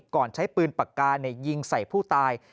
ก่อนใช้ปืนปากกายิงใส่ผู้ตาย